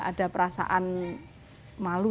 ada perasaan malu